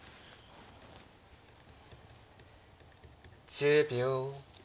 １０秒。